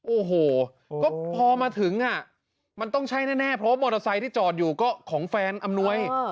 โอ้โหก็พอมาถึงมันต้องใช่แน่เพราะมอเตอร์ไซค์ที่จอดอยู่ก็ของแฟนอำนวย